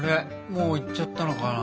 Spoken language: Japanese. もう行っちゃったのかな？